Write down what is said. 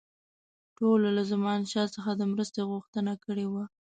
ټولو له زمانشاه څخه د مرستې غوښتنه کړې وه.